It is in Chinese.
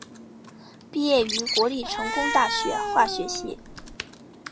毕业于国立成功大学化学系。